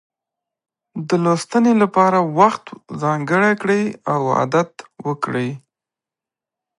د لوستنې لپاره وخت ځانګړی کړئ او عادت وکړئ.